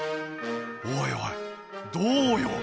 おいおいどうよ？